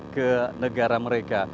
ke negara mereka